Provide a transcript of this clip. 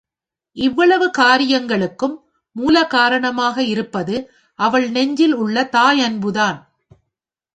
இவ்வளவு காரியங்களுக்கும் மூலகாரணமாக இருப்பது அவள் நெஞ்சில் உள்ள தாயன்புதான்.